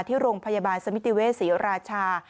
ที่โรงพยาบาลสมิติเวศรีราชา